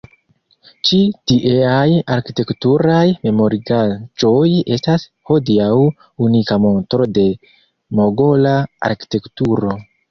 Ĉi tieaj arkitekturaj memorigaĵoj estas hodiaŭ unika montro de mogola arkitekturo.